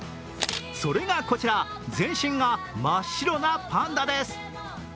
それがこちら、全身が真っ白なパンダです。